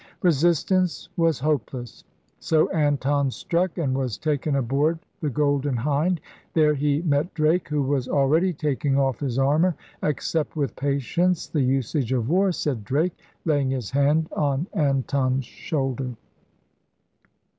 Resist ance was hopeless; so Anton struck and was taken aboard the Golden Hind. There he met Drake, who was already taking off his armor. 'Accept with patience the usage of war,* said Drake, laying his hand on Anton's shoulder.